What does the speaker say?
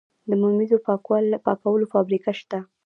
د ممیزو پاکولو فابریکې شته؟